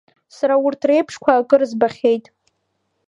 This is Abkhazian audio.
Сара урҭ реиԥшқәа акыр збахьеит…